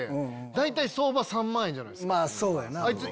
大体相場３万円じゃないっすか。